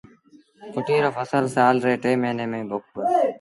ڦٽيٚ رو ڦسل سآل ري ٽي موهيݩي ميݩ پوکبو اهي